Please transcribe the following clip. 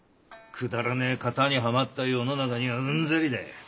くだらねえ型にはまった世の中にはうんざりだ。